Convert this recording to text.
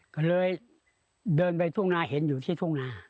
ก็เลยเดินไปทุ่งนาเห็นอยู่ที่ทุ่งนา